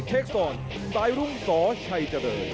เช็คซ้อนสายรุ่งสชัยเจริญ